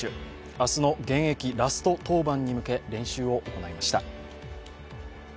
明日の現役ラスト登板に向け練習を行いました。